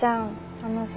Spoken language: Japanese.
あのさ。